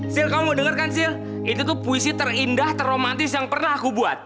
sihil kamu mau denger kan sihil itu tuh puisi terindah terromantis yang pernah aku buat